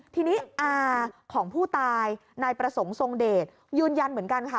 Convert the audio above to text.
ทีนี้อาของผู้ตายนายประสงค์ทรงเดชยืนยันเหมือนกันค่ะ